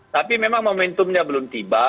tapi memang momentumnya belum tiba